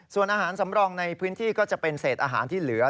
ส่วนอาหารสำรองในพื้นที่ก็จะเป็นเศษอาหารที่เหลือ